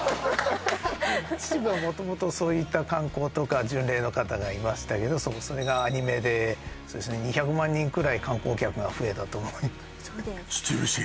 秩父は元々そういった観光とか巡礼の方がいましたけどそれがアニメでそうですね２００万人くらい観光客が増えたと思います秩父市！？